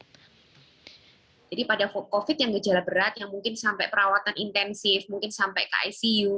jadi pada covid yang gejala berat yang mungkin sampai perawatan intensif mungkin sampai ke icu